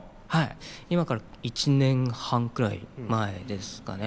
今から１年半くらい前ですかね。